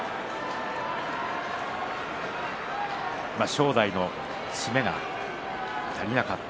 正代の詰めが足りなかった。